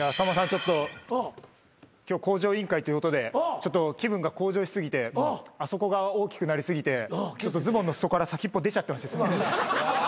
ちょっと今日『向上委員会』ということでちょっと気分が向上し過ぎてあそこが大きくなり過ぎてちょっとズボンの裾から先っぽ出ちゃってまして。